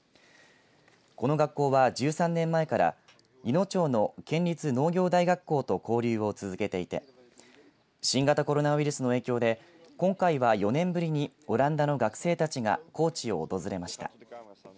この学校は１３年前からいの町の県立農業大学校と交流を続けていて新型コロナウイルスの影響で今回が４年ぶりにオランダの学生たちが高知を訪れました。